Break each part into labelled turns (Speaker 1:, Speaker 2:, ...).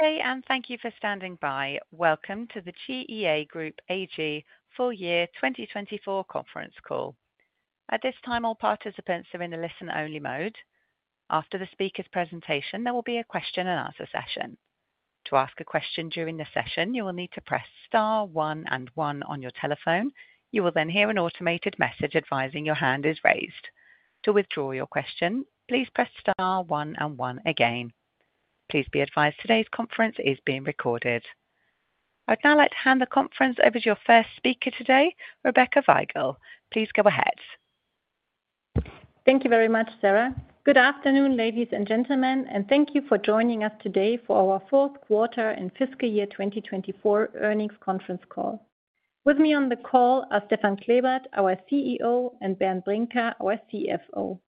Speaker 1: Good day, and thank you for standing by. Welcome to the GEA Group AG Full Year 2024 Conference Call. At this time, all participants are in the listen-only mode. After the speaker's presentation, there will be a question-and-answer session. To ask a question during the session, you will need to press star 1 and 1 on your telephone. You will then hear an automated message advising your hand is raised. To withdraw your question, please press star 1 and 1 again. Please be advised today's conference is being recorded. I'd now like to hand the conference over to your first speaker today, Rebecca Weigl. Please go ahead.
Speaker 2: Thank you very much, Sarah. Good afternoon, ladies and gentlemen, and thank you for joining us today for our fourth quarter and fiscal year 2024 earnings conference call. With me on the call are Stefan Klebert, our CEO, and Bernd Brinker, our CFO.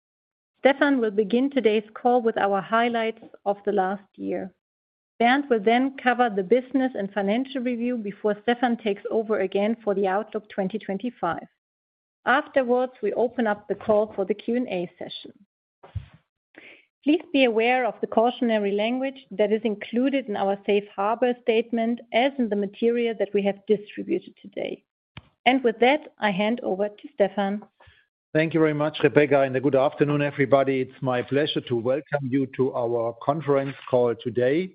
Speaker 2: Stefan will begin today's call with our highlights of the last year. Bernd will then cover the business and financial review before Stefan takes over again for the Outlook 2025. Afterwards, we open up the call for the Q&A session. Please be aware of the cautionary language that is included in our safe harbor statement, as in the material that we have distributed today. With that, I hand over to Stefan.
Speaker 3: Thank you very much, Rebecca, and good afternoon, everybody. It's my pleasure to welcome you to our conference call today.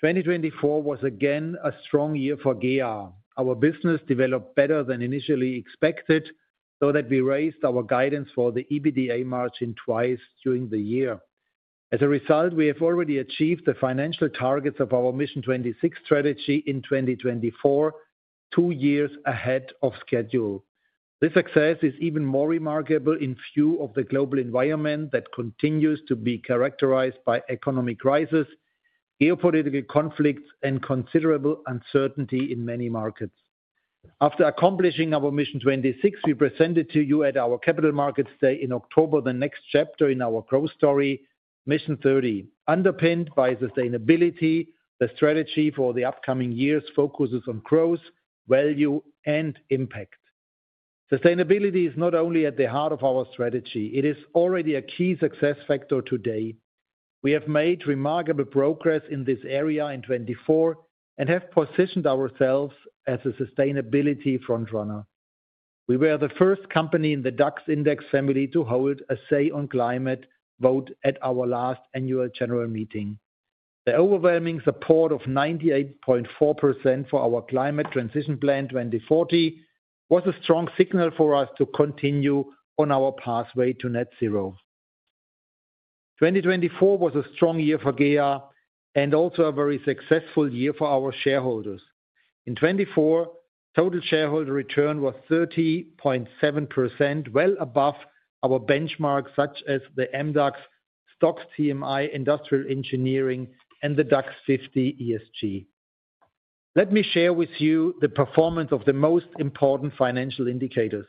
Speaker 3: 2024 was again a strong year for GEA. Our business developed better than initially expected, so that we raised our guidance for the EBITDA margin twice during the year. As a result, we have already achieved the financial targets of our Mission 26 strategy in 2024, two years ahead of schedule. This success is even more remarkable in view of the global environment that continues to be characterized by economic crisis, geopolitical conflicts, and considerable uncertainty in many markets. After accomplishing our Mission 26, we presented to you at our Capital Markets Day in October the next chapter in our growth story, Mission 30. Underpinned by sustainability, the strategy for the upcoming years focuses on growth, value, and impact. Sustainability is not only at the heart of our strategy; it is already a key success factor today. We have made remarkable progress in this area in 2024 and have positioned ourselves as a sustainability front-runner. We were the first company in the DAX index family to hold a say on climate vote at our last annual general meeting. The overwhelming support of 98.4% for our climate transition plan 2040 was a strong signal for us to continue on our pathway to net zero. 2024 was a strong year for GEA and also a very successful year for our shareholders. In 2024, total shareholder return was 30.7%, well above our benchmarks such as the MDAX STOXX TMI, industrial engineering, and the DAX 50 ESG. Let me share with you the performance of the most important financial indicators.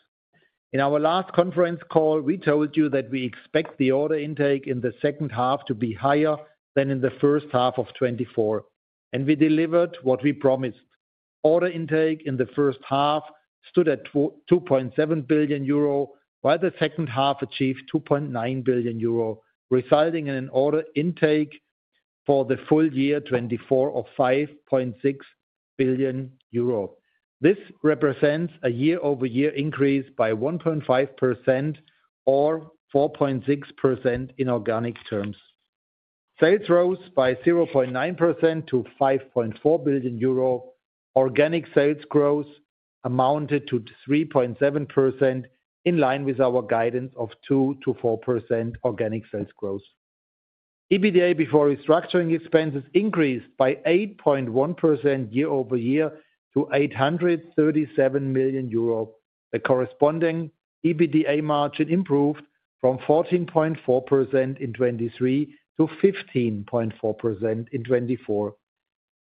Speaker 3: In our last conference call, we told you that we expect the order intake in the second half to be higher than in the first half of 2024, and we delivered what we promised. Order intake in the first half stood at 2.7 billion euro, while the second half achieved 2.9 billion euro, resulting in an order intake for the full year 2024 of 5.6 billion euro. This represents a year-over-year increase by 1.5% or 4.6% in organic terms. Sales rose by 0.9% to 5.4 billion euro. Organic sales growth amounted to 3.7%, in line with our guidance of 2%-4% organic sales growth. EBITDA before restructuring expenses increased by 8.1% year-over-year to 837 million euro. The corresponding EBITDA margin improved from 14.4% in 2023 to 15.4% in 2024,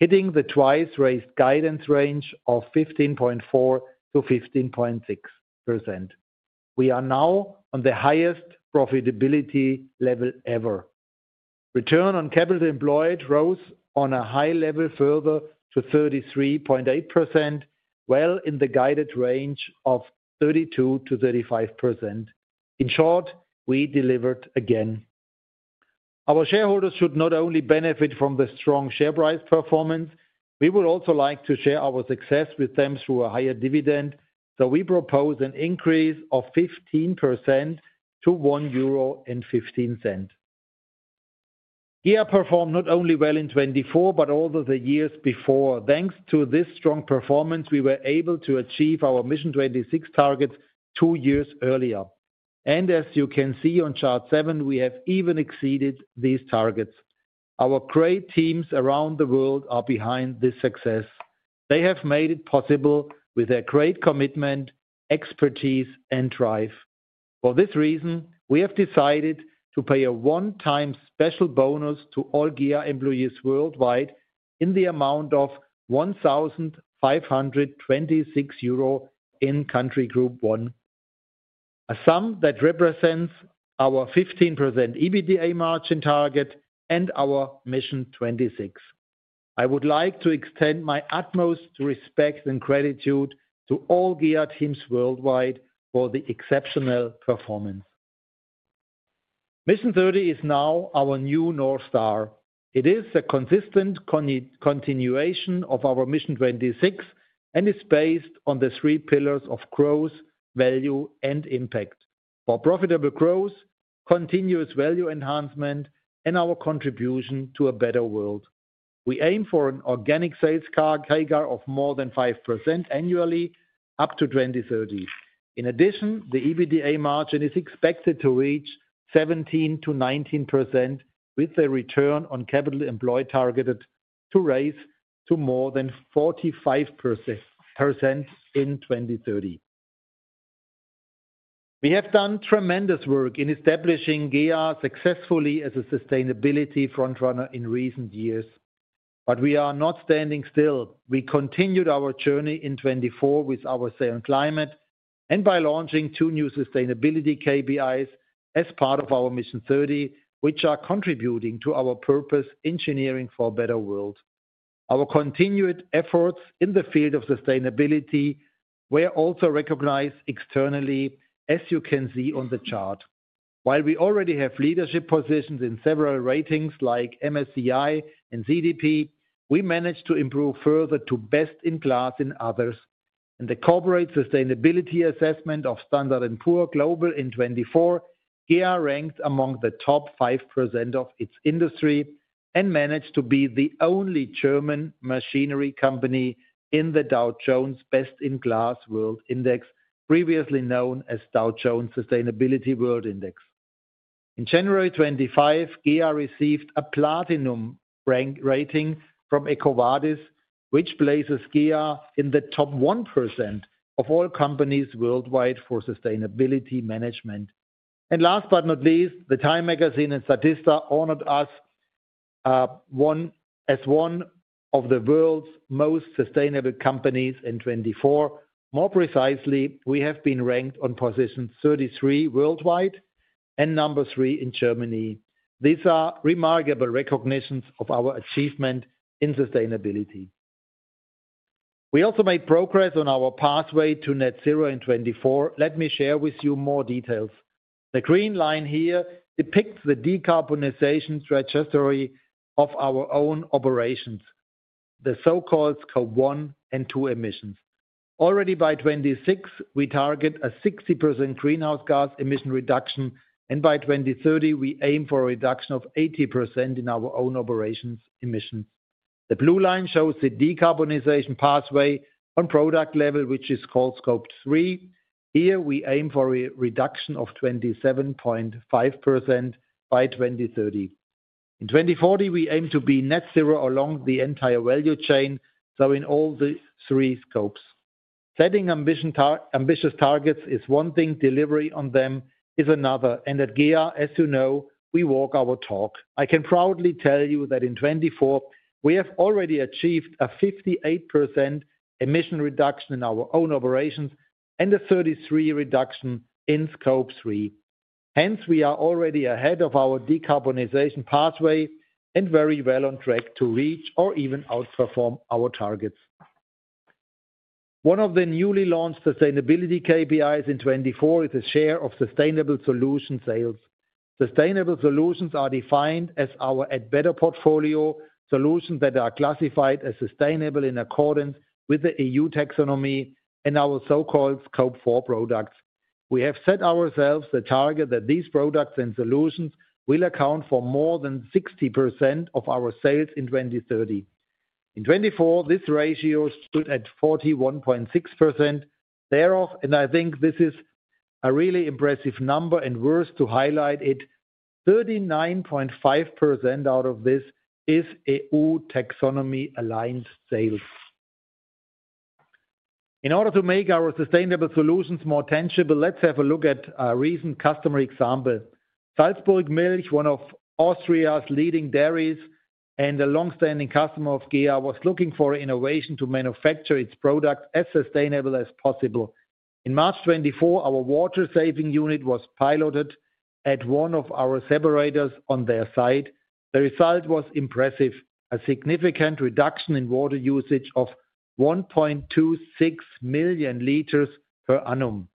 Speaker 3: hitting the twice-raised guidance range of 15.4%-15.6%. We are now on the highest profitability level ever. Return on capital employed rose on a high level further to 33.8%, well in the guided range of 32%-35%. In short, we delivered again. Our shareholders should not only benefit from the strong share price performance, we would also like to share our success with them through a higher dividend, so we propose an increase of 15% to 1.15 euro. GEA performed not only well in 2024 but also the years before. Thanks to this strong performance, we were able to achieve our Mission 26 targets two years earlier. As you can see on chart 7, we have even exceeded these targets. Our great teams around the world are behind this success. They have made it possible with their great commitment, expertise, and drive. For this reason, we have decided to pay a one-time special bonus to all GEA employees worldwide in the amount of 1,526 euro in Country Group 1, a sum that represents our 15% EBITDA margin target and our Mission 26. I would like to extend my utmost respect and gratitude to all GEA teams worldwide for the exceptional performance. Mission 30 is now our new North Star. It is a consistent continuation of our Mission 26 and is based on the three pillars of growth, value, and impact: for profitable growth, continuous value enhancement, and our contribution to a better world. We aim for an organic sales carry-over of more than 5% annually up to 2030. In addition, the EBITDA margin is expected to reach 17%-19% with the return on capital employed targeted to raise to more than 45% in 2030. We have done tremendous work in establishing GEA successfully as a sustainability front-runner in recent years, but we are not standing still. We continued our journey in 2024 with our sale and climate and by launching two new sustainability KPIs as part of our Mission 30, which are contributing to our purpose: engineering for a better world. Our continued efforts in the field of sustainability were also recognized externally, as you can see on the chart. While we already have leadership positions in several ratings like MSCI and CDP, we managed to improve further to best-in-class in others. In the corporate sustainability assessment of Standard and Poor's Global in 2024, GEA ranked among the top 5% of its industry and managed to be the only German machinery company in the Dow Jones Best-in-Class World Index, previously known as Dow Jones Sustainability World Index. In January 2025, GEA received a Platinum rank rating from EcoVadis, which places GEA in the top 1% of all companies worldwide for sustainability management. Last but not least, Time Magazine and Statista honored us as one of the world's most sustainable companies in 2024. More precisely, we have been ranked on position 33 worldwide and number three in Germany. These are remarkable recognitions of our achievement in sustainability. We also made progress on our pathway to net zero in 2024. Let me share with you more details. The green line here depicts the decarbonization trajectory of our own operations, the so-called Scope 1 and 2 emissions. Already by 2026, we target a 60% greenhouse gas emission reduction, and by 2030, we aim for a reduction of 80% in our own operations emissions. The blue line shows the decarbonization pathway on product level, which is called Scope 3. Here, we aim for a reduction of 27.5% by 2030. In 2040, we aim to be net zero along the entire value chain, so in all the three scopes. Setting ambitious targets is one thing; delivering on them is another. At GEA, as you know, we walk our talk. I can proudly tell you that in 2024, we have already achieved a 58% emission reduction in our own operations and a 33% reduction in Scope 3 Hence, we are already ahead of our decarbonization pathway and very well on track to reach or even outperform our targets. One of the newly launched sustainability KPIs in 2024 is the share of sustainable solution sales. Sustainable solutions are defined as our Add Better portfolio solutions that are classified as sustainable in accordance with the EU taxonomy and our so-called Scope 4 products. We have set ourselves the target that these products and solutions will account for more than 60% of our sales in 2030. In 2024, this ratio stood at 41.6%. Thereof, and I think this is a really impressive number and worth to highlight it, 39.5% out of this is EU taxonomy-aligned sales. In order to make our sustainable solutions more tangible, let's have a look at a recent customer example. SalzburgMilch, one of Austria's leading dairies and a long-standing customer of GEA, was looking for innovation to manufacture its product as sustainable as possible. In March 2024, our water saving unit was piloted at one of our separators on their site. The result was impressive: a significant reduction in water usage of 1.26 million L per annum.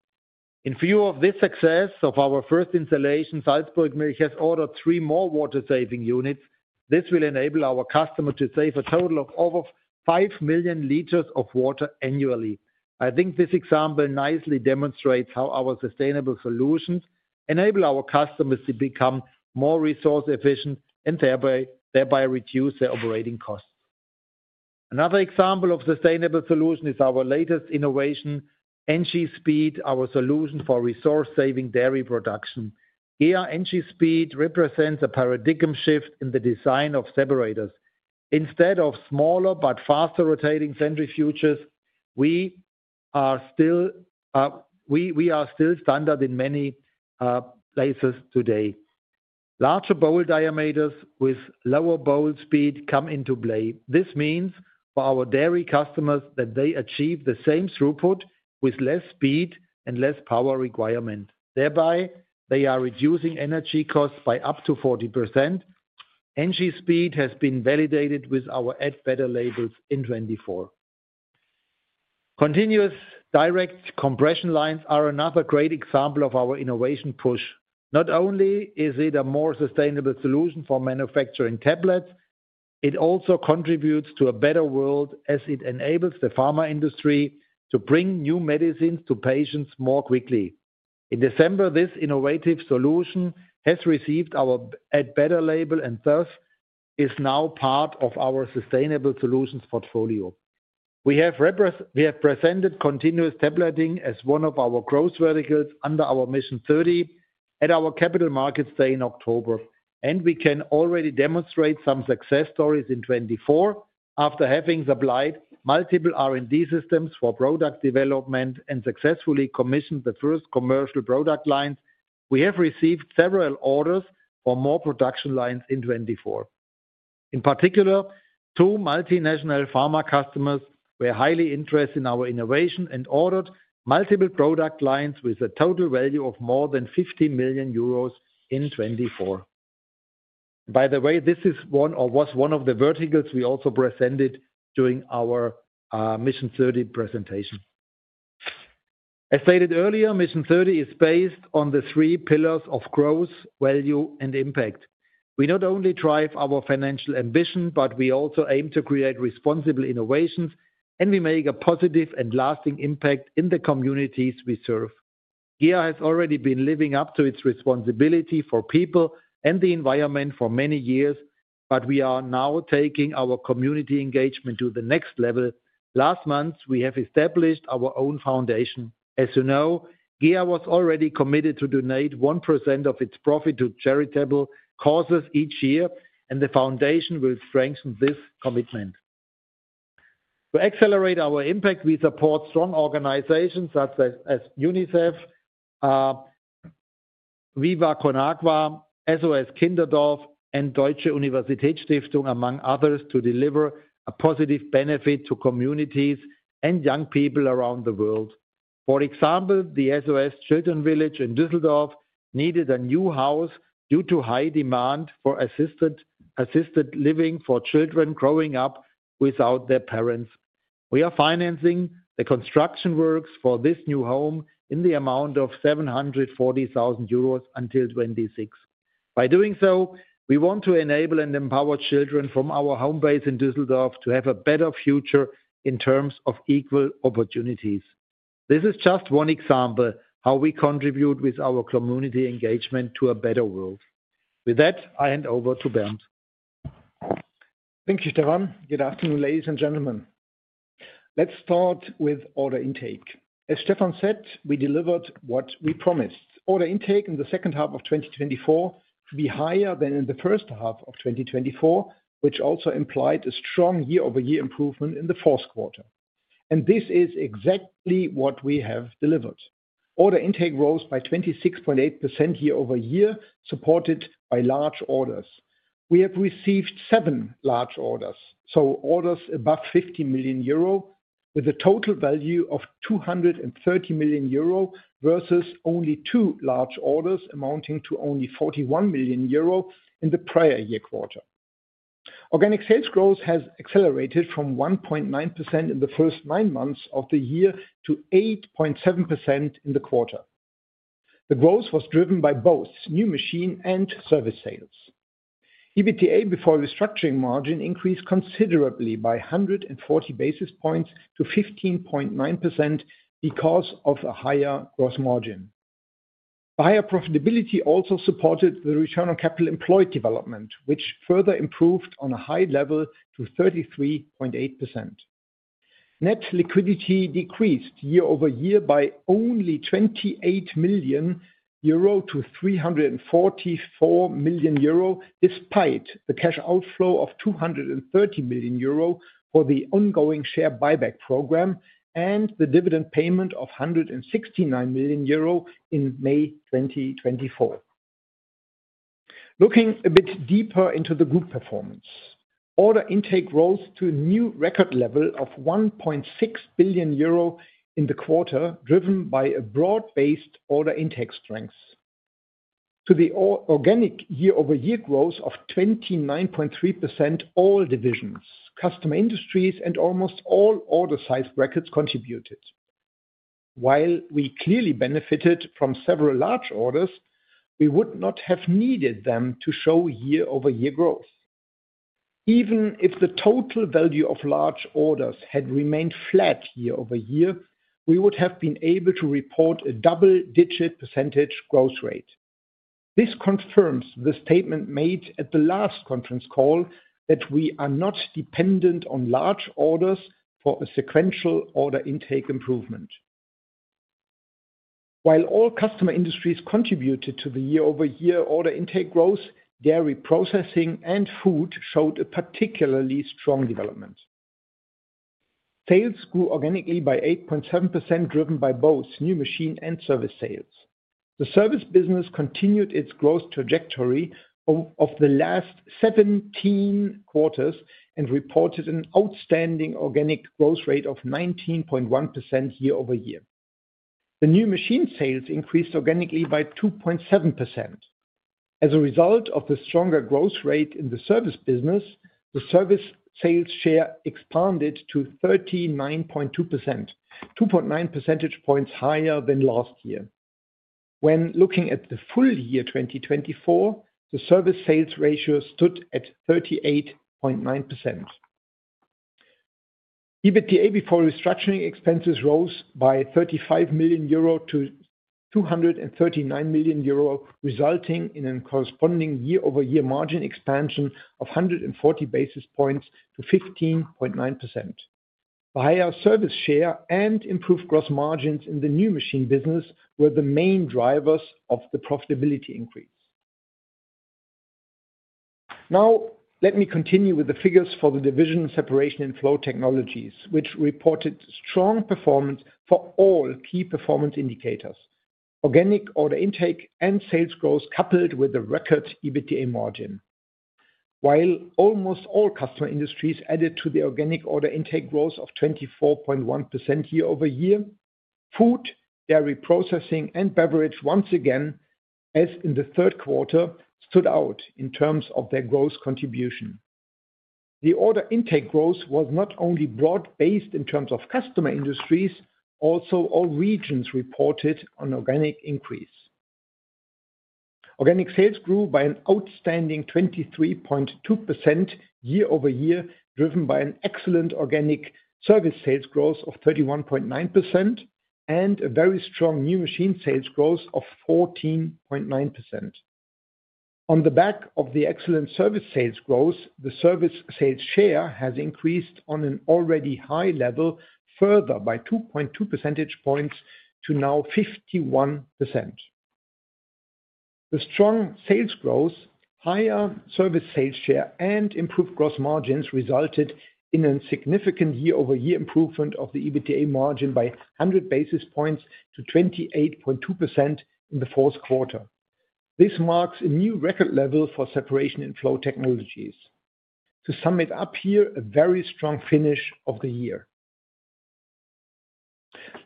Speaker 3: In view of this success of our first installation, SalzburgMilch has ordered three more water saving units. This will enable our customer to save a total of over 5 million L of water annually. I think this example nicely demonstrates how our sustainable solutions enable our customers to become more resource-efficient and thereby reduce their operating costs. Another example of sustainable solution is our latest innovation, EngySpeed, our solution for resource-saving dairy production. GEA EngySpeed represents a paradigm shift in the design of separators. Instead of smaller but faster rotating centrifuges, which are still standard in many places today, larger bowl diameters with lower bowl speed come into play. This means for our dairy customers that they achieve the same throughput with less speed and less power requirement. Thereby, they are reducing energy costs by up to 40%. EngySpeed has been validated with our Add Better labels in 2024. Continuous direct compression lines are another great example of our innovation push. Not only is it a more sustainable solution for manufacturing tablets, it also contributes to a better world as it enables the pharma industry to bring new medicines to patients more quickly. In December, this innovative solution has received our Add Better label and thus is now part of our sustainable solutions portfolio. We have presented continuous tableting as one of our growth verticals under our Mission 30 at our Capital Markets Day in October, and we can already demonstrate some success stories in 2024. After having supplied multiple R&D systems for product development and successfully commissioned the first commercial product lines, we have received several orders for more production lines in 2024. In particular, two multinational pharma customers were highly interested in our innovation and ordered multiple product lines with a total value of more than 50 million euros in 2024. By the way, this is one or was one of the verticals we also presented during our Mission 30 presentation. As stated earlier, Mission 30 is based on the three pillars of growth, value, and impact. We not only drive our financial ambition, but we also aim to create responsible innovations, and we make a positive and lasting impact in the communities we serve. GEA has already been living up to its responsibility for people and the environment for many years, but we are now taking our community engagement to the next level. Last month, we have established our own foundation. As you know, GEA was already committed to donate 1% of its profit to charitable causes each year, and the foundation will strengthen this commitment. To accelerate our impact, we support strong organizations such as UNICEF, Viva con Agua, as well as Kinderdorf, and Deutsche Universitätsstiftung, among others, to deliver a positive benefit to communities and young people around the world. For example, the SOS Children Village in Düsseldorf needed a new house due to high demand for assisted living for children growing up without their parents. We are financing the construction works for this new home in the amount of 740,000 euros until 2026. By doing so, we want to enable and empower children from our home base in Düsseldorf to have a better future in terms of equal opportunities. This is just one example of how we contribute with our community engagement to a better world. With that, I hand over to Bernd.
Speaker 4: Thank you, Stefan. Good afternoon, ladies and gentlemen. Let's start with order intake. As Stefan said, we delivered what we promised. Order intake in the second half of 2024 should be higher than in the first half of 2024, which also implied a strong year-over-year improvement in the fourth quarter. This is exactly what we have delivered. Order intake rose by 26.8% year-over-year, supported by large orders. We have received seven large orders, so orders above 50 million euro, with a total value of 230 million euro versus only two large orders amounting to only 41 million euro in the prior year quarter. Organic sales growth has accelerated from 1.9% in the first nine months of the year to 8.7% in the quarter. The growth was driven by both new machine and service sales. EBITDA before restructuring margin increased considerably by 140 basis points to 15.9% because of a higher gross margin. Higher profitability also supported the return on capital employed development, which further improved on a high level to 33.8%. Net liquidity decreased year-over-year by only 28 million euro to 344 million euro, despite the cash outflow of 230 million euro for the ongoing share buyback program and the dividend payment of 169 million euro in May 2024. Looking a bit deeper into the group performance, order intake rose to a new record level of 1.6 billion euro in the quarter, driven by a broad-based order intake strength. To the organic year-over-year growth of 29.3% all divisions, customer industries, and almost all order size brackets contributed. While we clearly benefited from several large orders, we would not have needed them to show year-over-year growth. Even if the total value of large orders had remained flat year-over-year, we would have been able to report a double-digit percentage growth rate. This confirms the statement made at the last conference call that we are not dependent on large orders for a sequential order intake improvement. While all customer industries contributed to the year-over-year order intake growth, dairy processing and food showed a particularly strong development. Sales grew organically by 8.7%, driven by both new machine and service sales. The service business continued its growth trajectory of the last 17 quarters and reported an outstanding organic growth rate of 19.1% year-over-year. The new machine sales increased organically by 2.7%. As a result of the stronger growth rate in the service business, the service sales share expanded to 39.2%, 2.9 percentage points higher than last year. When looking at the full year 2024, the service sales ratio stood at 38.9%. EBITDA before restructuring expenses rose by 35 million euro to 239 million euro, resulting in a corresponding year-over-year margin expansion of 140 basis points to 15.9%. The higher service share and improved gross margins in the new machine business were the main drivers of the profitability increase. Now, let me continue with the figures for the division Separation & Flow Technologies, which reported strong performance for all key performance indicators: organic order intake and sales growth coupled with the record EBITDA margin. While almost all customer industries added to the organic order intake growth of 24.1% year-over-year, food, dairy processing, and beverage once again, as in the third quarter, stood out in terms of their growth contribution. The order intake growth was not only broad-based in terms of customer industries; also, all regions reported an organic increase. Organic sales grew by an outstanding 23.2% year-over-year, driven by an excellent organic service sales growth of 31.9% and a very strong new machine sales growth of 14.9%. On the back of the excellent service sales growth, the service sales share has increased on an already high level further by 2.2 percentage points to now 51%. The strong sales growth, higher service sales share, and improved gross margins resulted in a significant year-over-year improvement of the EBITDA margin by 100 basis points to 28.2% in the fourth quarter. This marks a new record level for separation and flow technologies. To sum it up here, a very strong finish of the year.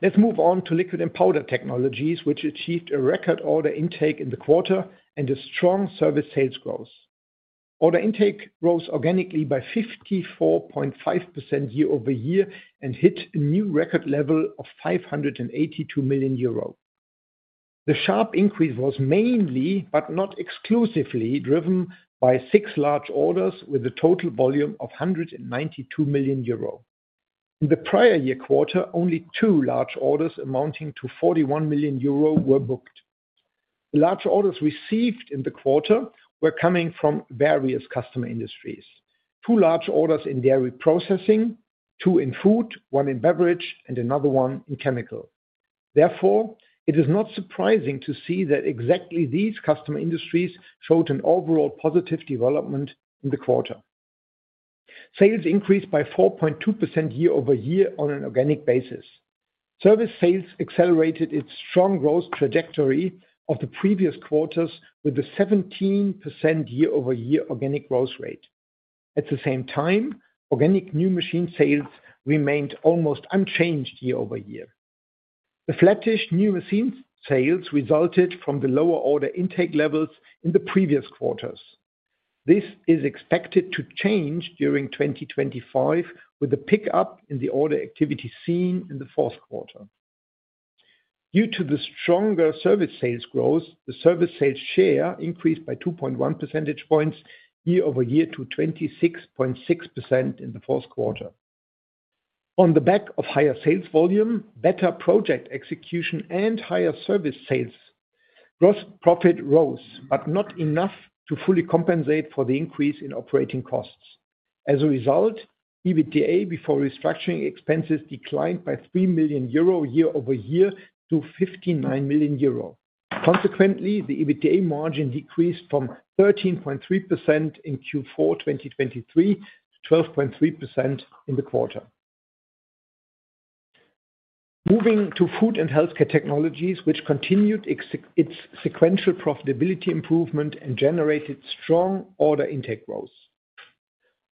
Speaker 4: Let's move on to Liquid & Powder Technologies, which achieved a record order intake in the quarter and a strong service sales growth. Order intake rose organically by 54.5% year-over-year and hit a new record level of 582 million euro. The sharp increase was mainly, but not exclusively, driven by six large orders with a total volume of 192 million euro. In the prior year quarter, only two large orders amounting to 41 million euro were booked. The large orders received in the quarter were coming from various customer industries: two large orders in dairy processing, two in food, one in beverage, and ano1ther one in chemical. Therefore, it is not surprising to see that exactly these customer industries showed an overall positive development in the quarter. Sales increased by 4.2% year-over-year on an organic basis. Service sales accelerated its strong growth trajectory of the previous quarters with a 17% year-over-year organic growth rate. At the same time, organic new machine sales remained almost unchanged year-over-year. The flattish new machine sales resulted from the lower order intake levels in the previous quarters. This is expected to change during 2025 with a pickup in the order activity seen in the fourth quarter. Due to the stronger service sales growth, the service sales share increased by 2.1 percentage points year-over-year to 26.6% in the fourth quarter. On the back of higher sales volume, better project execution, and higher service sales, gross profit rose, but not enough to fully compensate for the increase in operating costs. As a result, EBITDA before restructuring expenses declined by 3 million euro year-over-year to 59 million euro. Consequently, the EBITDA margin decreased from 13.3% in Q4 2023 to 12.3% in the quarter. Moving to Food & Healthcare Technologies, which continued its sequential profitability improvement and generated strong order intake growth.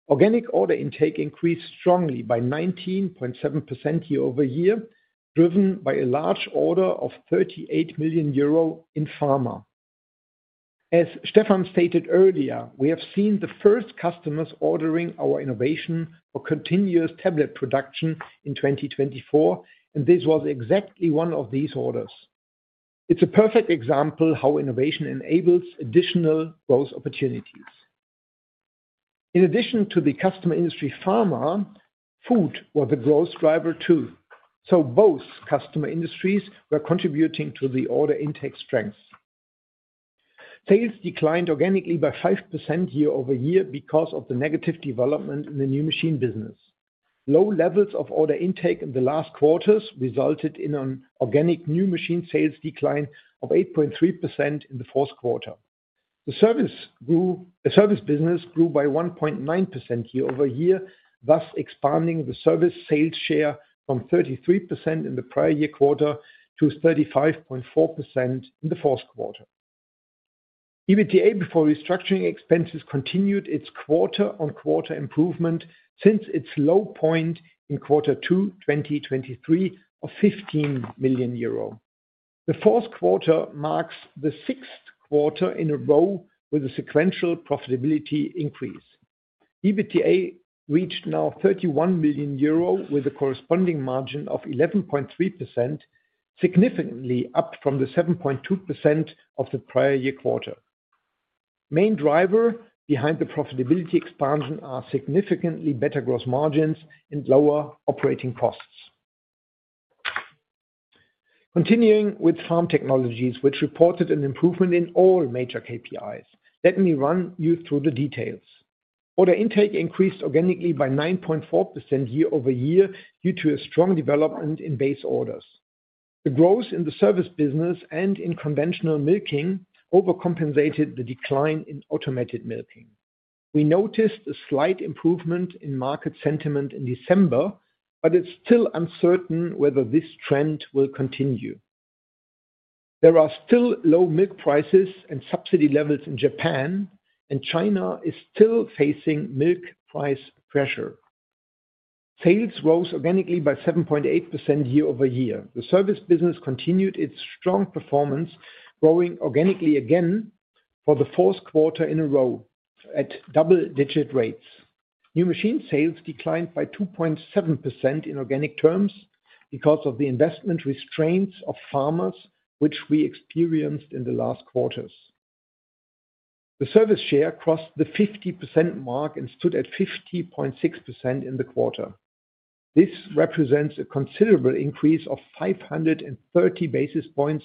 Speaker 4: Organic order intake increased strongly by 19.7% year-over-year, driven by a large order of 38 million euro in pharma. As Stefan stated earlier, we have seen the first customers ordering our innovation for continuous tablet production in 2024, and this was exactly one of these orders. It's a perfect example of how innovation enables additional growth opportunities. In addition to the customer industry pharma, food was a growth driver too. Both customer industries were contributing to the order intake strength. Sales declined organically by 5% year-over-year because of the negative development in the new machine business. Low levels of order intake in the last quarters resulted in an organic new machine sales decline of 8.3% in the fourth quarter. The service business grew by 1.9% year-over-year, thus expanding the service sales share from 33% in the prior year quarter to 35.4% in the fourth quarter. EBITDA before restructuring expenses continued its quarter-on-quarter improvement since its low point in quarter two 2023 of 15 million euro. The fourth quarter marks the sixth quarter in a row with a sequential profitability increase. EBITDA reached now 31 million euro with a corresponding margin of 11.3%, significantly up from the 7.2% of the prior year quarter. Main driver behind the profitability expansion are significantly better gross margins and lower operating costs. Continuing with Farm Technologies, which reported an improvement in all major KPIs. Let me run you through the details. Order intake increased organically by 9.4% year-over-year due to a strong development in base orders. The growth in the service business and in conventional milking overcompensated the decline in automated milking. We noticed a slight improvement in market sentiment in December, but it's still uncertain whether this trend will continue. There are still low milk prices and subsidy levels in Japan, and China is still facing milk price pressure. Sales rose organically by 7.8% year-over-year. The service business continued its strong performance, growing organically again for the fourth quarter in a row at double-digit rates. New machine sales declined by 2.7% in organic terms because of the investment restraints of farmers, which we experienced in the last quarters. The service share crossed the 50% mark and stood at 50.6% in the quarter. This represents a considerable increase of 530 basis points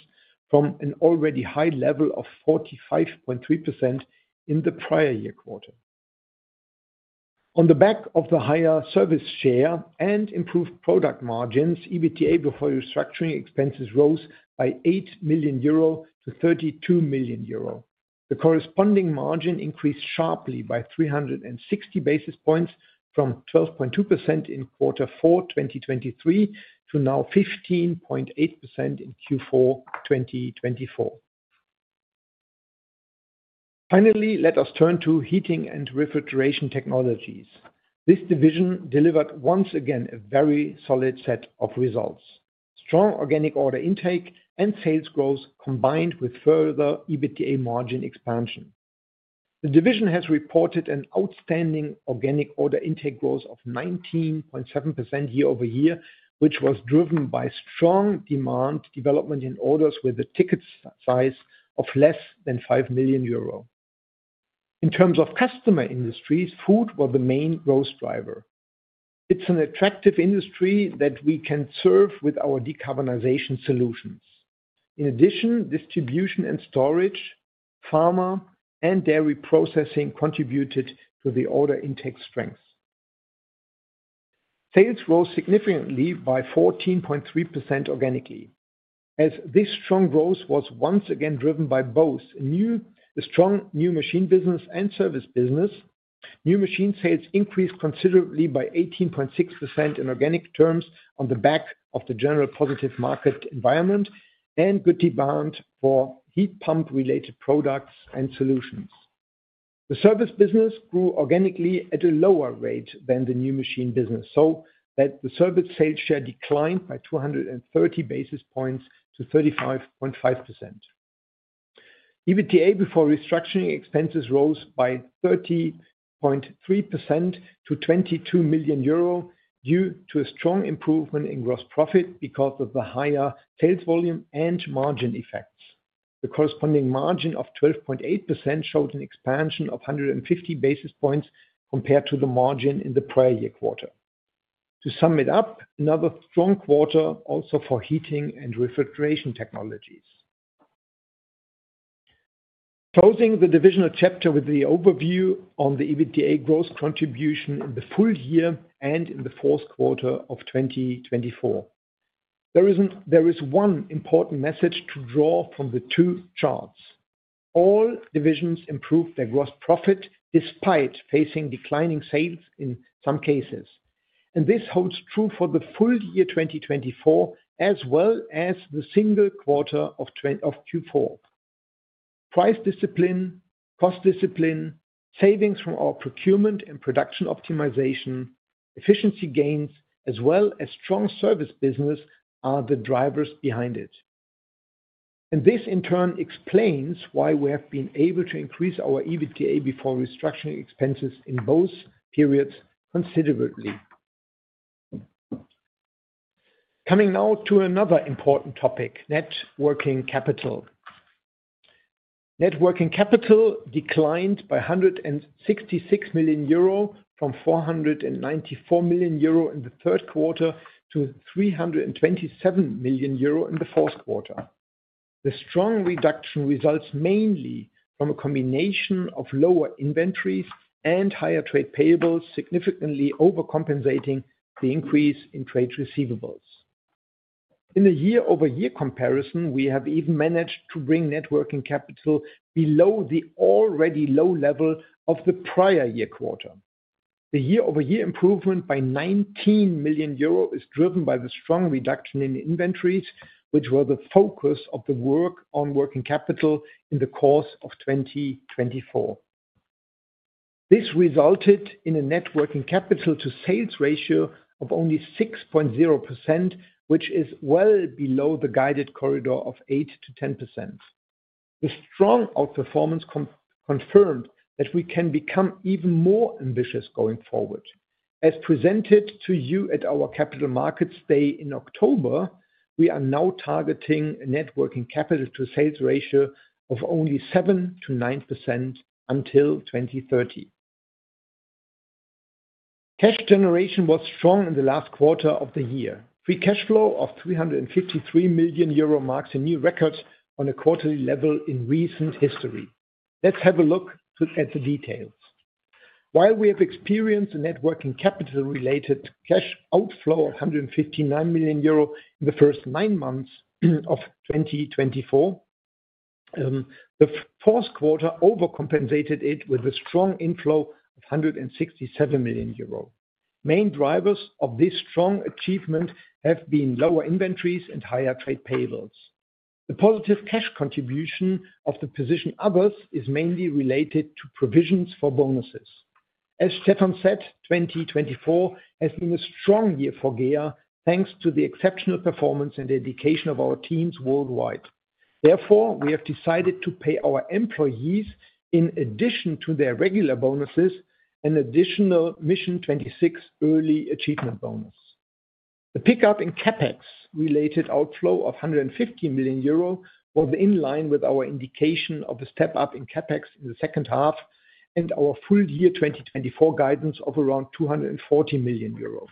Speaker 4: from an already high level of 45.3% in the prior year quarter. On the back of the higher service share and improved product margins, EBITDA before restructuring expenses rose by 8 million euro to 32 million euro. The corresponding margin increased sharply by 360 basis points from 12.2% in quarter four 2023 to now 15.8% in Q4 2024. Finally, let us turn to Heating & Refrigeration Technologies. This division delivered once again a very solid set of results: strong organic order intake and sales growth combined with further EBITDA margin expansion. The division has reported an outstanding organic order intake growth of 19.7% year-over-year, which was driven by strong demand development in orders with a ticket size of less than 5 million euro. In terms of customer industries, food was the main growth driver. It's an attractive industry that we can serve with our decarbonization solutions. In addition, distribution and storage, pharma, and dairy processing contributed to the order intake strength. Sales rose significantly by 14.3% organically. As this strong growth was once again driven by both a new, a strong new machine business and service business, new machine sales increased considerably by 18.6% in organic terms on the back of the general positive market environment and good demand for heat pump-related products and solutions. The service business grew organically at a lower rate than the new machine business, so that the service sales share declined by 230 basis points to 35.5%. EBITDA before restructuring expenses rose by 30.3% to 22 million euro due to a strong improvement in gross profit because of the higher sales volume and margin effects. The corresponding margin of 12.8% showed an expansion of 150 basis points compared to the margin in the prior year quarter. To sum it up, another strong quarter also for heating and refrigeration technologies. Closing the divisional chapter with the overview on the EBITDA growth contribution in the full year and in the fourth quarter of 2024. There is one important message to draw from the two charts. All divisions improved their gross profit despite facing declining sales in some cases. This holds true for the full year 2024 as well as the single quarter of Q4. Price discipline, cost discipline, savings from our procurement and production optimization, efficiency gains, as well as strong service business are the drivers behind it. This, in turn, explains why we have been able to increase our EBITDA before restructuring expenses in both periods considerably. Coming now to another important topic, net working capital. Net working capital declined by 166 million euro from 494 million euro in the third quarter to 327 million euro in the fourth quarter. The strong reduction results mainly from a combination of lower inventories and higher trade payables, significantly overcompensating the increase in trade receivables. In the year-over-year comparison, we have even managed to bring net working capital below the already low level of the prior year quarter. The year-over-year improvement by 19 million euro is driven by the strong reduction in inventories, which was the focus of the work on working capital in the course of 2024. This resulted in a net working capital to sales ratio of only 6.0%, which is well below the guided corridor of 8-10%. The strong outperformance confirmed that we can become even more ambitious going forward. As presented to you at our capital markets day in October, we are now targeting a net working capital to sales ratio of only 7%-9% until 2030. Cash generation was strong in the last quarter of the year. Free cash flow of 353 million euro marks a new record on a quarterly level in recent history. Let's have a look at the details. While we have experienced a net working capital-related cash outflow of 159 million euro in the first nine months of 2024, the fourth quarter overcompensated it with a strong inflow of 167 million euros. Main drivers of this strong achievement have been lower inventories and higher trade payables. The positive cash contribution of the position others is mainly related to provisions for bonuses. As Stefan said, 2024 has been a strong year for GEA thanks to the exceptional performance and dedication of our teams worldwide. Therefore, we have decided to pay our employees in addition to their regular bonuses an additional Mission 26 early achievement bonus. The pickup in CapEx-related outflow of 150 million euro was in line with our indication of a step up in CapEx in the second half and our full year 2024 guidance of around 240 million euro.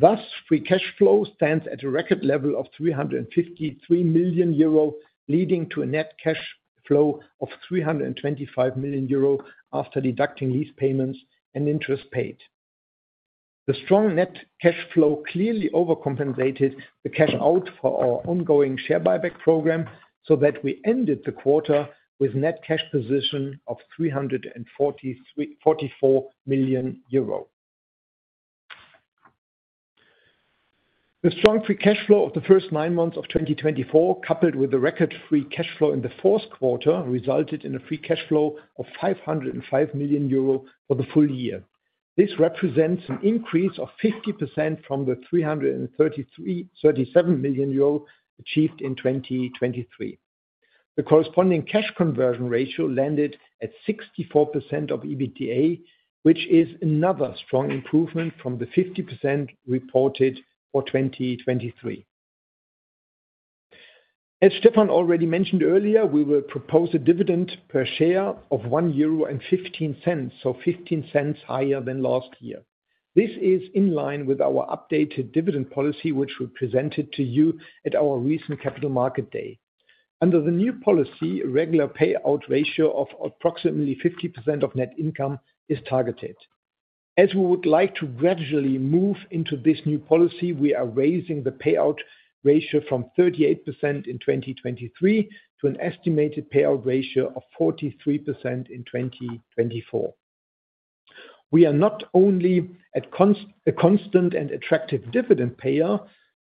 Speaker 4: Thus, free cash flow stands at a record level of 353 million euro, leading to a net cash flow of 325 million euro after deducting lease payments and interest paid. The strong net cash flow clearly overcompensated the cash out for our ongoing share buyback program so that we ended the quarter with a net cash position of 344 million euro. The strong free cash flow of the first nine months of 2024, coupled with the record free cash flow in the fourth quarter, resulted in a free cash flow of 505 million euro for the full year. This represents an increase of 50% from the 337 million euro achieved in 2023. The corresponding cash conversion ratio landed at 64% of EBITDA, which is another strong improvement from the 50% reported for 2023. As Stefan already mentioned earlier, we will propose a dividend per share of 1.15 euro, so 0.15 higher than last year. This is in line with our updated dividend policy, which we presented to you at our recent capital market day. Under the new policy, a regular payout ratio of approximately 50% of net income is targeted. As we would like to gradually move into this new policy, we are raising the payout ratio from 38% in 2023 to an estimated payout ratio of 43% in 2024. We are not only a constant and attractive dividend payer,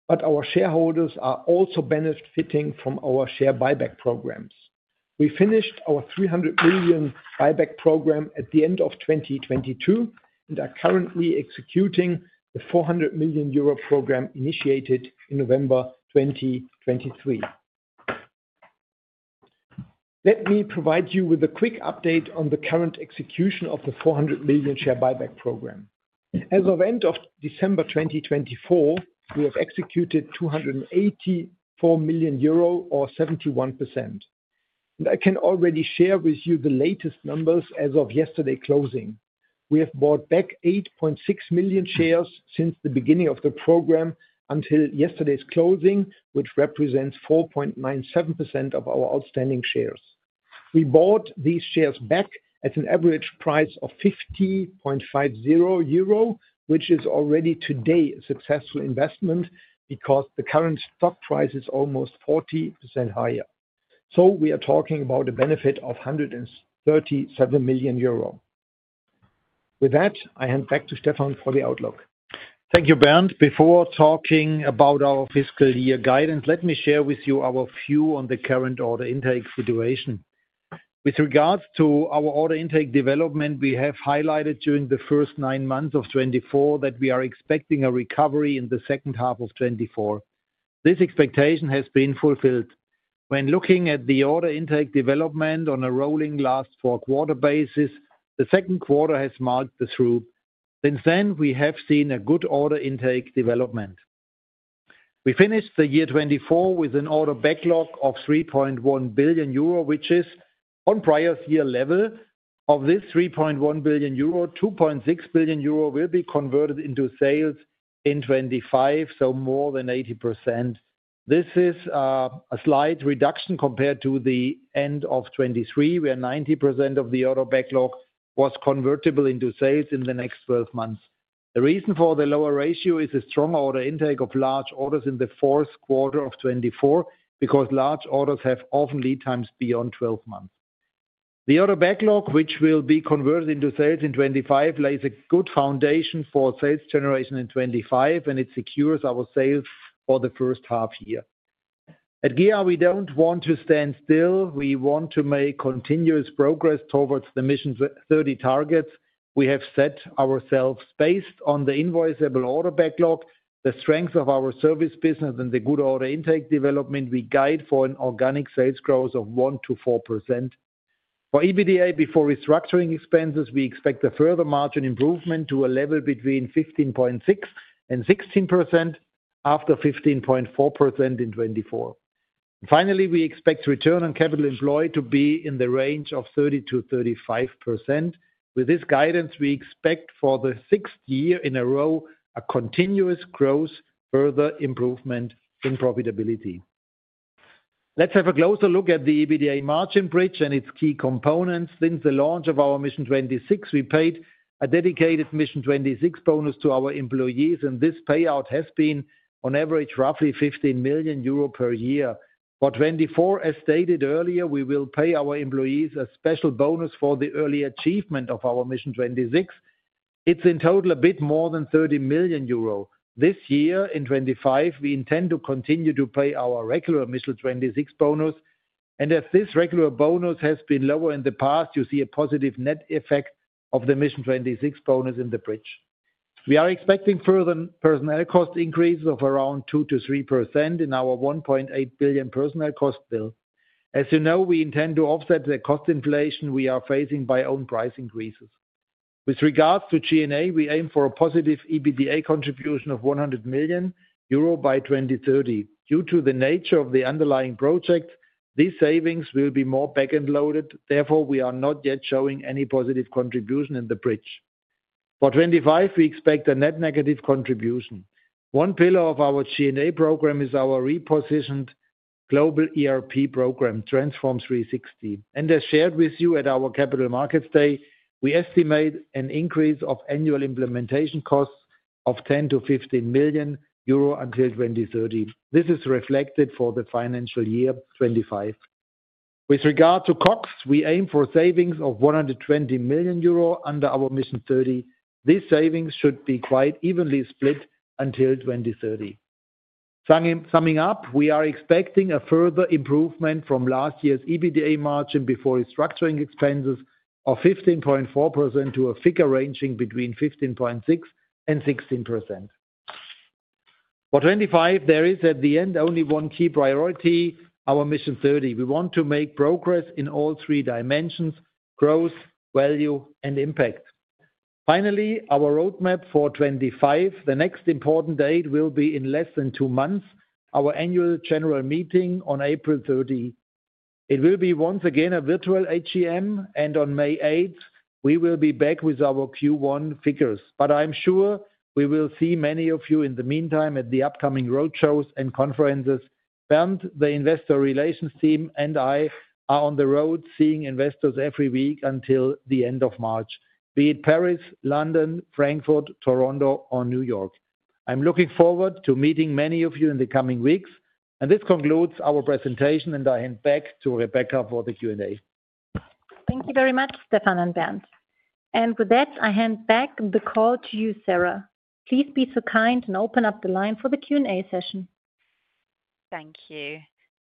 Speaker 4: but our shareholders are also benefiting from our share buyback programs. We finished our 300 million buyback program at the end of 2022 and are currently executing the 400 million euro program initiated in November 2023. Let me provide you with a quick update on the current execution of the 400 million share buyback program. As of end of December 2024, we have executed 284 million euro or 71%. I can already share with you the latest numbers as of yesterday closing. We have bought back 8.6 million shares since the beginning of the program until yesterday's closing, which represents 4.97% of our outstanding shares. We bought these shares back at an average price of 50.50 euro, which is already today a successful investment because the current stock price is almost 40% higher. We are talking about a benefit of 137 million euro. With that, I hand back to Stefan for the outlook.
Speaker 3: Thank you, Bernd Brinker. Before talking about our fiscal year guidance, let me share with you our view on the current order intake situation. With regards to our order intake development, we have highlighted during the first nine months of 2024 that we are expecting a recovery in the second half of 2024. This expectation has been fulfilled. When looking at the order intake development on a rolling last four quarter basis, the second quarter has marked the trough. Since then, we have seen a good order intake development. We finished the year 2024 with an order backlog of 3.1 billion euro, which is on prior year level. Of this 3.1 billion euro, 2.6 billion euro will be converted into sales in 2025, so more than 80%. This is a slight reduction compared to the end of 2023, where 90% of the order backlog was convertible into sales in the next 12 months. The reason for the lower ratio is a strong order intake of large orders in the fourth quarter of 2024 because large orders have often lead times beyond 12 months. The order backlog, which will be converted into sales in 2025, lays a good foundation for sales generation in 2025, and it secures our sales for the first half year. At GEA, we don't want to stand still. We want to make continuous progress towards the Mission 30 targets. We have set ourselves based on the invoiceable order backlog, the strength of our service business, and the good order intake development. We guide for an organic sales growth of 1-4%. For EBITDA before restructuring expenses, we expect a further margin improvement to a level between 15.6%-16% after 15.4% in 2024. Finally, we expect return on capital employed to be in the range of 30%-35%. With this guidance, we expect for the sixth year in a row a continuous growth, further improvement in profitability. Let's have a closer look at the EBITDA margin bridge and its key components. Since the launch of our Mission 26, we paid a dedicated Mission 26 bonus to our employees, and this payout has been on average roughly 15 million euro per year. For 2024, as stated earlier, we will pay our employees a special bonus for the early achievement of our Mission 26. It's in total a bit more than 30 million euro. This year, in 2025, we intend to continue to pay our regular Mission 26 bonus. As this regular bonus has been lower in the past, you see a positive net effect of the Mission 26 bonus in the bridge. We are expecting further personnel cost increases of around 2-3% in our 1.8 billion personnel cost bill. As you know, we intend to offset the cost inflation we are facing by own price increases. With regards to G&A, we aim for a positive EBITDA contribution of 100 million euro by 2030. Due to the nature of the underlying project, these savings will be more backend loaded. Therefore, we are not yet showing any positive contribution in the bridge. For 2025, we expect a net negative contribution. One pillar of our G&A program is our repositioned global ERP program, Transform 360. As shared with you at our capital markets day, we estimate an increase of annual implementation costs of 10 million- 15 million euro until 2030. This is reflected for the financial year 2025. With regard to COGS, we aim for savings of 120 million euro under our Mission 30. These savings should be quite evenly split until 2030. Summing up, we are expecting a further improvement from last year's EBITDA margin before restructuring expenses of 15.4% to a figure ranging between 15.6%-16%. For 2025, there is at the end only one key priority, our Mission 30. We want to make progress in all three dimensions: growth, value, and impact. Finally, our roadmap for 2025, the next important date will be in less than two months, our annual general meeting on April 30. It will be once again a virtual AGM, and on May 8, we will be back with our Q1 figures. I am sure we will see many of you in the meantime at the upcoming roadshows and conferences. Brinker, the investor relations team, and I are on the road seeing investors every week until the end of March, be it Paris, London, Frankfurt, Toronto, or New York. I'm looking forward to meeting many of you in the coming weeks. This concludes our presentation, and I hand back to Rebecca for the Q&A.
Speaker 2: Thank you very much, Stefan and Bernd Brinker. With that, I hand back the call to you, Sarah. Please be so kind and open up the line for the Q&A session.
Speaker 1: Thank you.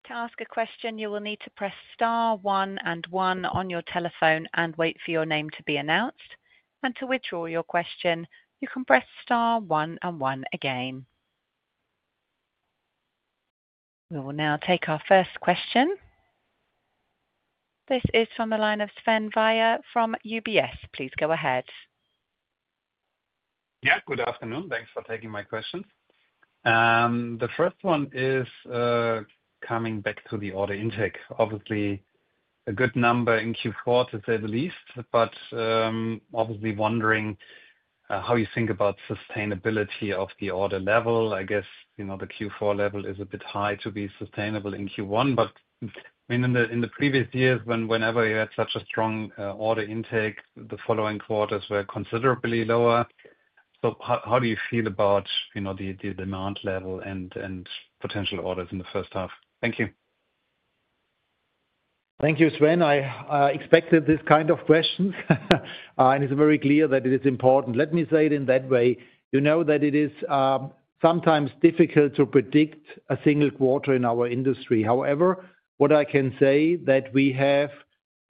Speaker 1: To ask a question, you will need to press star one and one on your telephone and wait for your name to be announced. To withdraw your question, you can press star one and one again. We will now take our first question. This is from the line of Sven Weier from UBS. Please go ahead.
Speaker 5: Yeah, good afternoon. Thanks for taking my questions. The first one is coming back to the order intake. Obviously, a good number in Q4, to say the least, but obviously wondering how you think about sustainability of the order level. I guess the Q4 level is a bit high to be sustainable in Q1, but in the previous years, whenever you had such a strong order intake, the following quarters were considerably lower. How do you feel about the demand level and potential orders in the first half? Thank you.
Speaker 3: Thank you, Sven. I expected this kind of question, and it's very clear that it is important. Let me say it in that way. You know that it is sometimes difficult to predict a single quarter in our industry. However, what I can say is that we have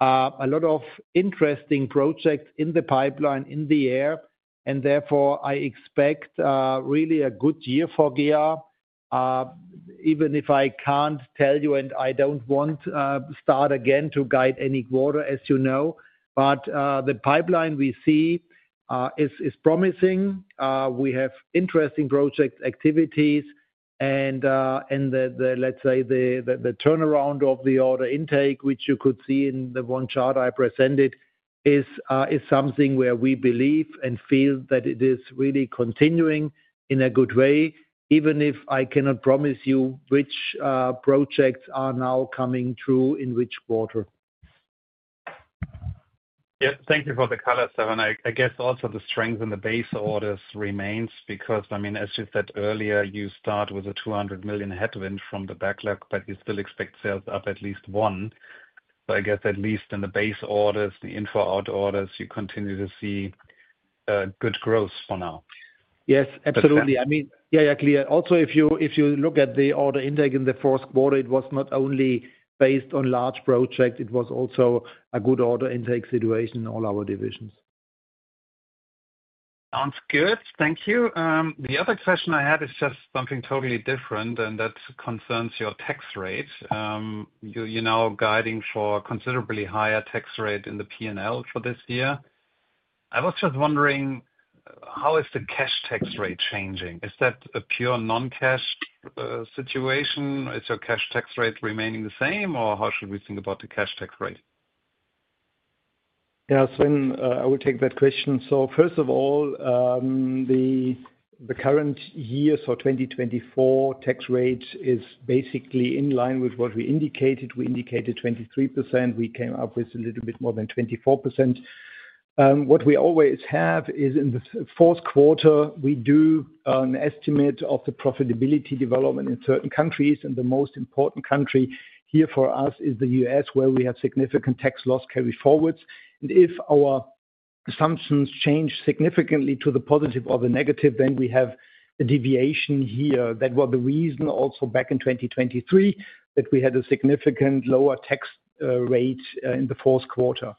Speaker 3: a lot of interesting projects in the pipeline, in the air, and therefore I expect really a good year for GEA, even if I can't tell you, and I don't want to start again to guide any quarter, as you know. The pipeline we see is promising. We have interesting project activities, and let's say the turnaround of the order intake, which you could see in the one chart I presented, is something where we believe and feel that it is really continuing in a good way, even if I cannot promise you which projects are now coming true in which quarter.
Speaker 5: Yeah, thank you for the color, Stefan. I guess also the strength in the base orders remains because, I mean, as you said earlier, you start with a 200 million headwind from the backlog, but you still expect sales up at least one. I guess at least in the base orders, the info out orders, you continue to see good growth for now.
Speaker 3: Yes, absolutely. I mean, yeah, yeah, clear. Also, if you look at the order intake in the fourth quarter, it was not only based on large projects. It was also a good order intake situation in all our divisions.
Speaker 5: Sounds good. Thank you. The other question I had is just something totally different, and that concerns your tax rate. You're now guiding for a considerably higher tax rate in the P&L for this year. I was just wondering, how is the cash tax rate changing? Is that a pure non-cash situation? Is your cash tax rate remaining the same, or how should we think about the cash tax rate?
Speaker 4: Yeah, Sven, I will take that question. First of all, the current year, so 2024 tax rate is basically in line with what we indicated. We indicated 23%. We came up with a little bit more than 24%. What we always have is in the fourth quarter, we do an estimate of the profitability development in certain countries, and the most important country here for us is the U.S., where we have significant tax loss carry forwards. If our assumptions change significantly to the positive or the negative, then we have a deviation here. That was the reason also back in 2023 that we had a significant lower tax rate in the fourth quarter.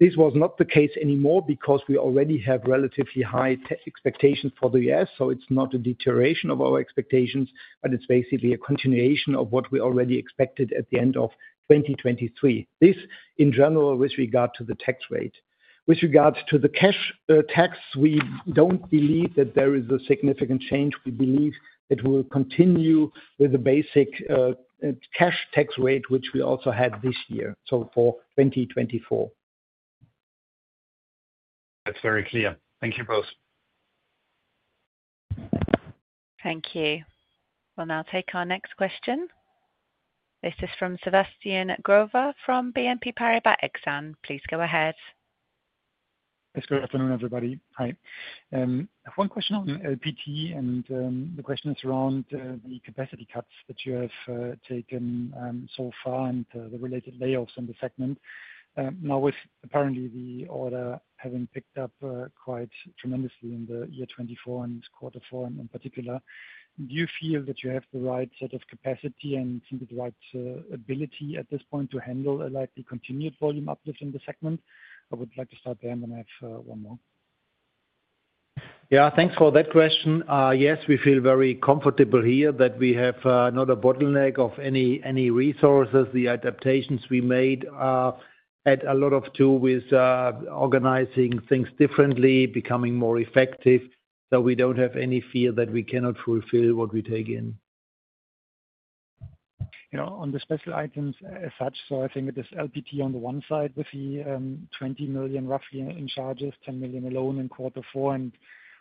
Speaker 4: This was not the case anymore because we already have relatively high expectations for the US, so it's not a deterioration of our expectations, but it's basically a continuation of what we already expected at the end of 2023. This, in general, with regard to the tax rate. With regard to the cash tax, we don't believe that there is a significant change. We believe that we will continue with the basic cash tax rate, which we also had this year, so for 2024. That's very clear.
Speaker 5: Thank you both.
Speaker 1: Thank you. We'll now take our next question. This is from Sebastian Growe from BNP Paribas Exane. Please go ahead.
Speaker 6: Yes, good afternoon, everybody. Hi. I have one question on LPT, and the question is around the capacity cuts that you have taken so far and the related layoffs in the segment. Now, with apparently the order having picked up quite tremendously in the year 2024 and quarter four in particular, do you feel that you have the right set of capacity and the right ability at this point to handle a likely continued volume uplift in the segment? I would like to start there, and then I have one more.
Speaker 3: Yeah, thanks for that question. Yes, we feel very comfortable here that we have not a bottleneck of any resources. The adaptations we made add a lot too with organizing things differently, becoming more effective. We do not have any fear that we cannot fulfill what we take in.
Speaker 6: On the special items as such, I think it is LPT on the one side with the 20 million roughly in charges, 10 million alone in quarter four,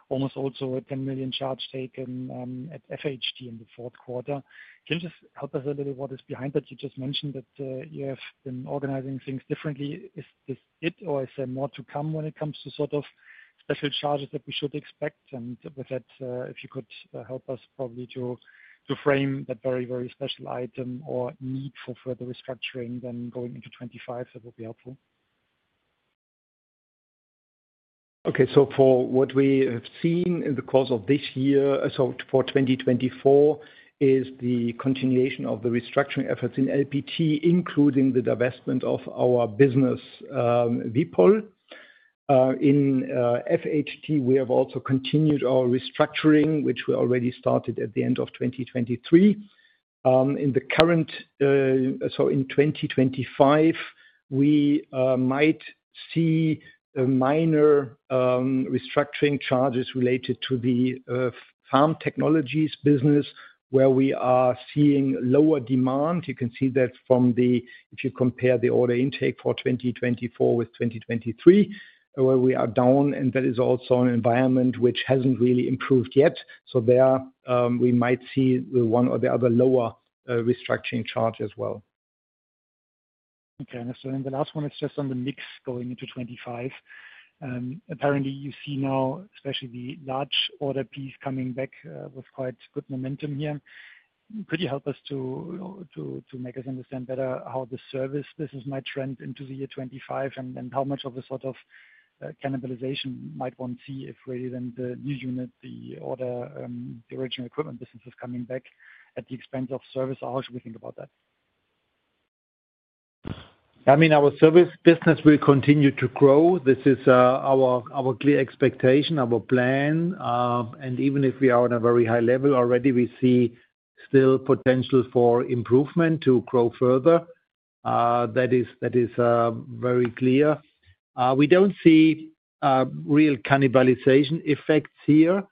Speaker 6: and almost also a 10 million charge taken at FHT in the fourth quarter. Can you just help us a little what is behind that? You just mentioned that you have been organizing things differently. Is this it, or is there more to come when it comes to sort of special charges that we should expect? If you could help us probably to frame that very, very special item or need for further restructuring then going into 2025, that would be helpful.
Speaker 4: For what we have seen in the course of this year, for 2024, is the continuation of the restructuring efforts in LPT, including the divestment of our business, Vipoll. In FHT, we have also continued our restructuring, which we already started at the end of 2023. In the current, so in 2025, we might see minor restructuring charges related to the farm technologies business, where we are seeing lower demand. You can see that from the, if you compare the order intake for 2024 with 2023, where we are down, and that is also an environment which has not really improved yet. There, we might see one or the other lower restructuring charge as well.
Speaker 6: Okay, and the last one is just on the mix going into 2025. Apparently, you see now, especially the large order piece coming back with quite good momentum here. Could you help us to make us understand better how the service business might trend into the year 2025, and then how much of a sort of cannibalization might one see if really then the new unit, the order, the original equipment business is coming back at the expense of service? How should we think about that?
Speaker 4: I mean, our service business will continue to grow. This is our clear expectation, our plan. Even if we are on a very high level already, we see still potential for improvement to grow further. That is very clear. We do not see real cannibalization effects here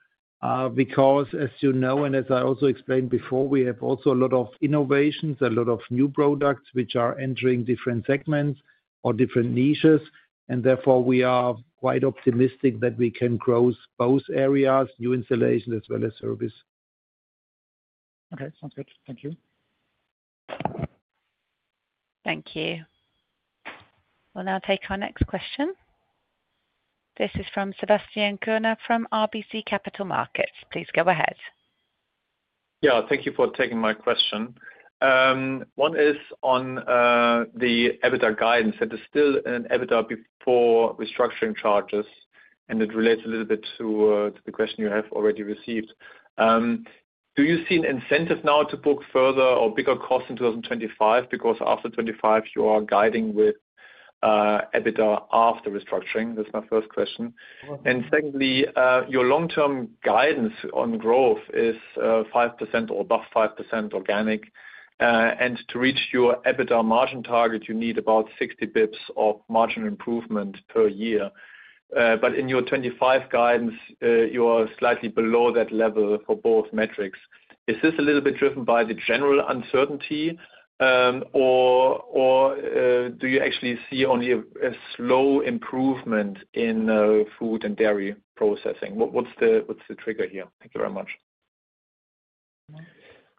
Speaker 4: because, as you know, and as I also explained before, we have also a lot of innovations, a lot of new products which are entering different segments or different niches. Therefore, we are quite optimistic that we can grow both areas, new installations as well as service.
Speaker 6: Okay, sounds good.
Speaker 4: Thank you.
Speaker 1: Thank you. We'll now take our next question. This is from Sebastian Kuenne from RBC Capital Markets. Please go ahead.
Speaker 7: Yeah, thank you for taking my question. One is on the EBITDA guidance. It is still an EBITDA before restructuring charges, and it relates a little bit to the question you have already received. Do you see an incentive now to book further or bigger costs in 2025? Because after 2025, you are guiding with EBITDA after restructuring. That's my first question. Secondly, your long-term guidance on growth is 5% or above 5% organic. To reach your EBITDA margin target, you need about 60 basis points of margin improvement per year. In your 2025 guidance, you are slightly below that level for both metrics. Is this a little bit driven by the general uncertainty, or do you actually see only a slow improvement in food and dairy processing? What's the trigger here? Thank you very much.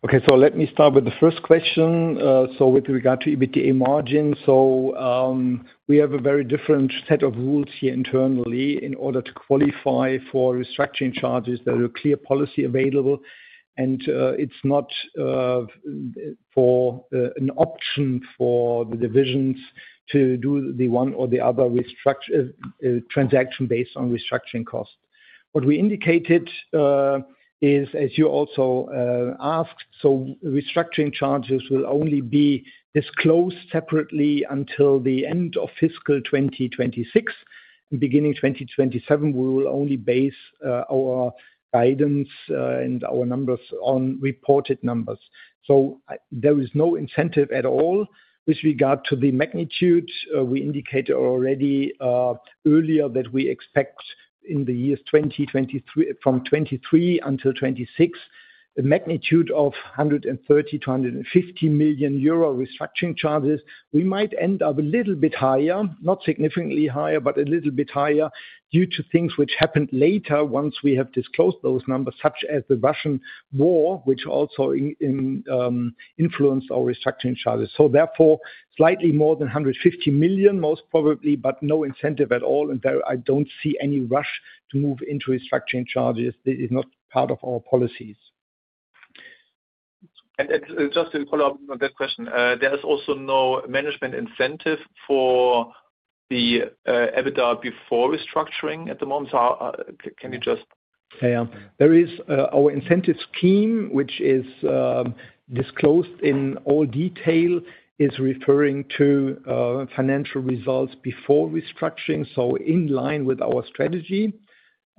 Speaker 3: Okay, let me start with the first question. With regard to EBITDA margin, we have a very different set of rules here internally in order to qualify for restructuring charges. There is a clear policy available, and it's not an option for the divisions to do the one or the other transaction based on restructuring cost. What we indicated is, as you also asked, restructuring charges will only be disclosed separately until the end of fiscal 2026. Beginning 2027, we will only base our guidance and our numbers on reported numbers. There is no incentive at all. With regard to the magnitude, we indicated already earlier that we expect in the years from 2023 until 2026, a magnitude of 130 million-150 million euro restructuring charges. We might end up a little bit higher, not significantly higher, but a little bit higher due to things which happened later once we have disclosed those numbers, such as the Russian war, which also influenced our restructuring charges. Therefore, slightly more than 150 million, most probably, but no incentive at all. I do not see any rush to move into restructuring charges. This is not part of our policies.
Speaker 7: Just to follow up on that question, there is also no management incentive for the EBITDA before restructuring at the moment. Can you just.
Speaker 3: Yeah, yeah. There is our incentive scheme, which is disclosed in all detail, is referring to financial results before restructuring, so in line with our strategy.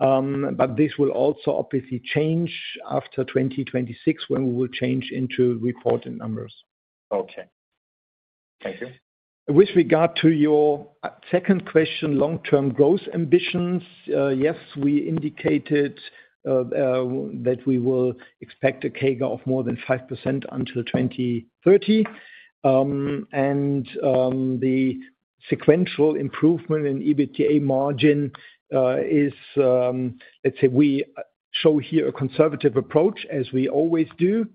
Speaker 3: This will also obviously change after 2026 when we will change into reported numbers. Okay. Thank you. With regard to your second question, long-term growth ambitions, yes, we indicated that we will expect a CAGR of more than 5% until 2030. The sequential improvement in EBITDA margin is, let's say, we show here a conservative approach, as we always do.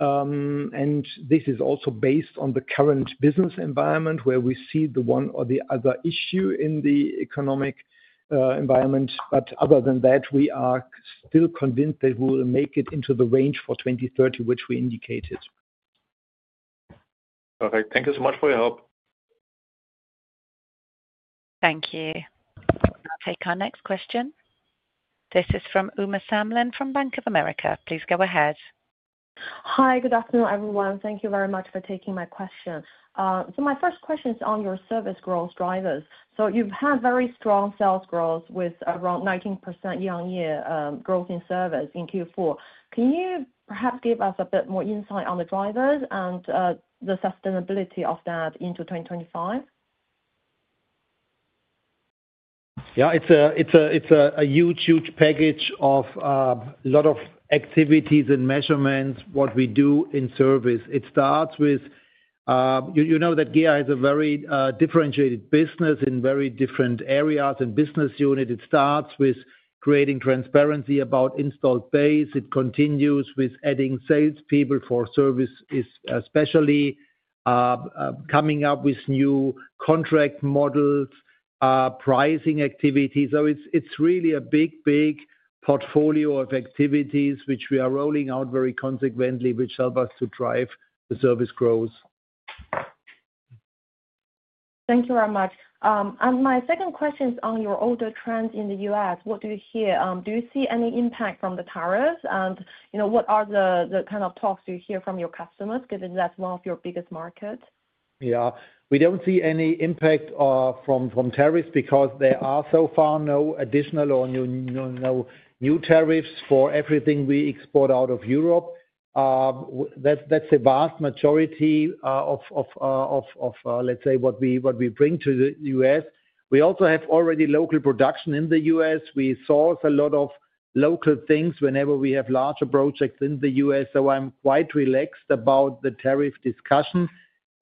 Speaker 3: This is also based on the current business environment where we see the one or the other issue in the economic environment. Other than that, we are still convinced that we will make it into the range for 2030, which we indicated.
Speaker 7: Perfect. Thank you so much for your help.
Speaker 1: Thank you. We'll take our next question. This is from Uma Samlin from Bank of America. Please go ahead.
Speaker 8: Hi, good afternoon, everyone. Thank you very much for taking my question. My first question is on your service growth drivers. You have had very strong sales growth with around 19% year-on-year growth in service in Q4. Can you perhaps give us a bit more insight on the drivers and the sustainability of that into 2025?
Speaker 3: Yeah, it is a huge, huge package of a lot of activities and measurements, what we do in service. It starts with, you know that GEA has a very differentiated business in very different areas and business units. It starts with creating transparency about installed base. It continues with adding salespeople for service, especially coming up with new contract models, pricing activities. It is really a big, big portfolio of activities, which we are rolling out very consequently, which help us to drive the service growth.
Speaker 8: Thank you very much. My second question is on your order trends in the U.S. What do you hear? Do you see any impact from the tariffs? What are the kind of talks you hear from your customers, given that is one of your biggest markets?
Speaker 3: Yeah, we do not see any impact from tariffs because there are so far no additional or no new tariffs for everything we export out of Europe. That is the vast majority of, let us say, what we bring to the U.S. We also have already local production in the U.S. We source a lot of local things whenever we have larger projects in the U.S. I am quite relaxed about the tariff discussion.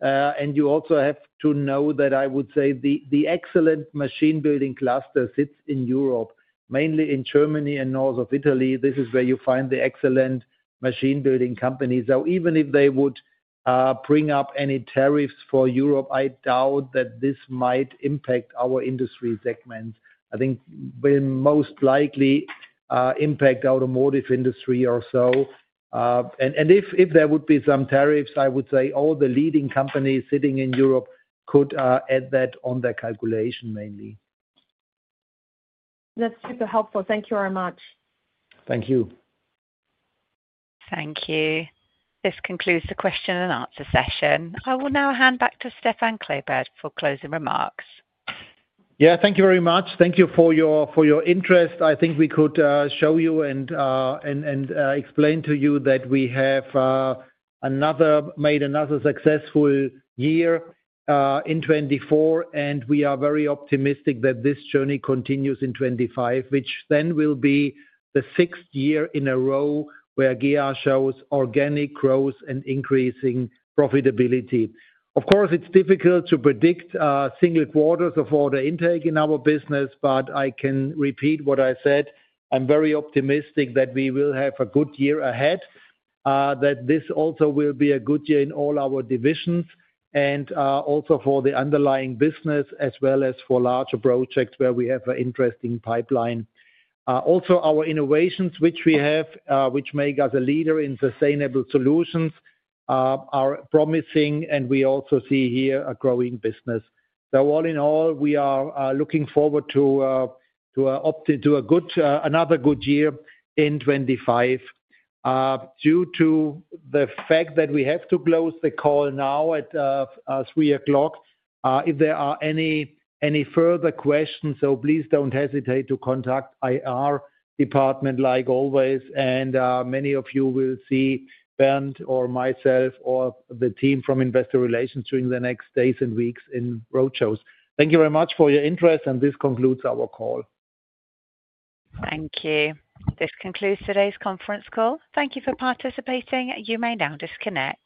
Speaker 3: You also have to know that I would say the excellent machine-building cluster sits in Europe, mainly in Germany and north of Italy. This is where you find the excellent machine-building companies. Even if they would bring up any tariffs for Europe, I doubt that this might impact our industry segments. I think it will most likely impact the automotive industry or so. If there would be some tariffs, I would say all the leading companies sitting in Europe could add that on their calculation mainly.
Speaker 8: That's super helpful. Thank you very much.
Speaker 4: Thank you.
Speaker 1: Thank you. This concludes the question and answer session. I will now hand back to Stefan Klebert for closing remarks.
Speaker 3: Yeah, thank you very much. Thank you for your interest. I think we could show you and explain to you that we have made another successful year in 2024, and we are very optimistic that this journey continues in 2025, which then will be the sixth year in a row where GEA shows organic growth and increasing profitability. Of course, it's difficult to predict single quarters of order intake in our business, but I can repeat what I said. I'm very optimistic that we will have a good year ahead, that this also will be a good year in all our divisions, and also for the underlying business, as well as for larger projects where we have an interesting pipeline. Also, our innovations, which we have, which make us a leader in sustainable solutions, are promising, and we also see here a growing business. All in all, we are looking forward to another good year in 2025. Due to the fact that we have to close the call now at 3:00 P.M., if there are any further questions, please do not hesitate to contact our department like always. Many of you will see Bernd or myself or the team from investor relations during the next days and weeks in roadshows. Thank you very much for your interest, and this concludes our call.
Speaker 1: Thank you. This concludes today's conference call. Thank you for participating. You may now disconnect.